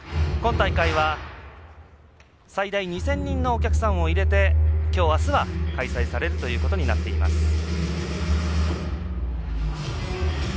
今大会は最大２０００人のお客さんを入れてきょう、あすは開催されるということになっています。